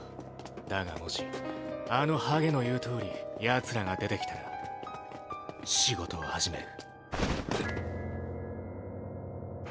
だがもしあのハゲの言うとおりヤツらが出てきたら仕事を始める。